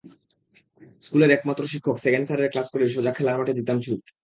স্কুলের একমাত্র শিক্ষক সেকেন্ড স্যারের ক্লাস করেই সোজা খেলার মাঠে দিতাম ছুট।